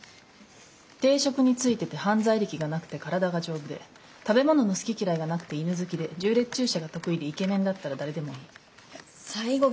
定職についてて犯罪歴がなくて体が丈夫で食べ物の好き嫌いがなくて犬好きで縦列駐車が得意でイケメンだったら誰でもいい。